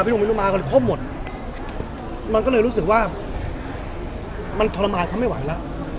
หนุ่มไม่รู้มากันครบหมดมันก็เลยรู้สึกว่ามันทรมานเขาไม่ไหวแล้ว